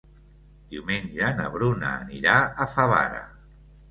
Diumenge na Bruna anirà a Favara.